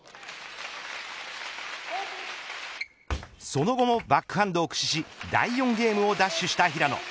その後もバックハンドを駆使し第４ゲームを奪取した平野。